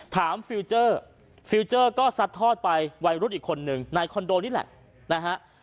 ฟิลเจอร์ฟิลเจอร์ก็ซัดทอดไปวัยรุ่นอีกคนนึงในคอนโดนี่แหละนะฮะ